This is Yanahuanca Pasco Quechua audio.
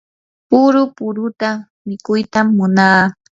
puru puruta mikuytam munaa.